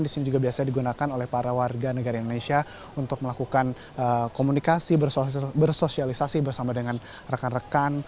di sini juga biasanya digunakan oleh para warga negara indonesia untuk melakukan komunikasi bersosialisasi bersama dengan rekan rekan